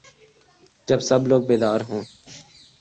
جب سب لوگ بیدار ہو